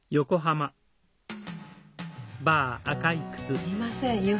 すいません夕飯